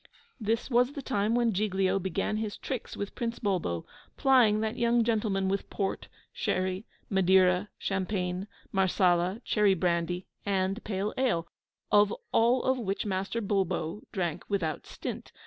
This was the time when Giglio began his tricks with Prince Bulbo, plying that young gentleman with port, sherry, madeira, champagne, marsala, cherry brandy, and pale ale, of all of which Master Bulbo drank without stint.